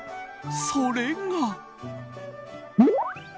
それが。